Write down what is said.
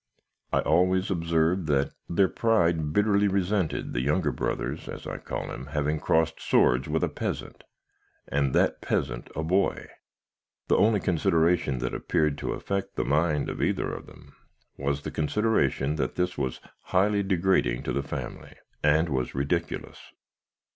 "I always observed that their pride bitterly resented the younger brother's (as I call him) having crossed swords with a peasant, and that peasant a boy. The only consideration that appeared to affect the mind of either of them was the consideration that this was highly degrading to the family, and was ridiculous.